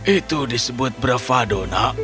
itu disebut bravado no